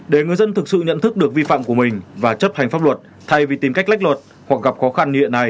để người dân thực sự nhận thức được vi phạm của mình và chấp hành pháp luật thay vì tìm cách lách luật hoặc gặp khó khăn như hiện nay